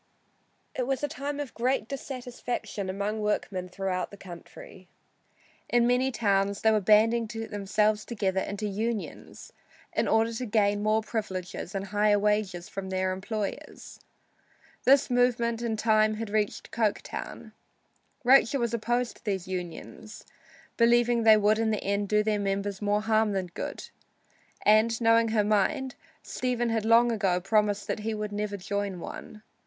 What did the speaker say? It was a time of great dissatisfaction among workmen throughout the country. In many towns they were banding themselves together into "unions" in order to gain more privileges and higher wages from their employers. This movement in time had reached Coketown. Rachel was opposed to these unions, believing they would in the end do their members more harm than good, and knowing her mind, Stephen had long ago promised her that he would never join one.